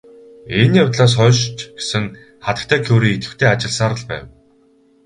Энэ явдлаас хойш ч гэсэн хатагтай Кюре идэвхтэй ажилласаар л байв.